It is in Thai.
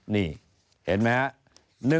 เห็นไหมฮะ